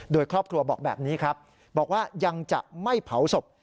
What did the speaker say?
โดยครอบครัวบอกแบบนี้ครับบอกว่ายังจะไม่เผาศพ